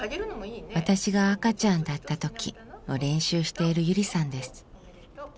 「わたしがあかちゃんだったとき」を練習しているゆりさんです。